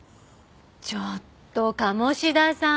ちょっと鴨志田さん